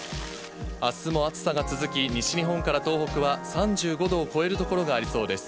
あすも暑さが続き、西日本から東北は３５度を超える所がありそうです。